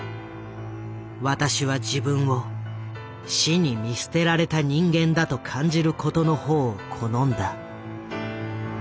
「私は自分を『死』に見捨てられた人間だと感じることのほうを好んだ」。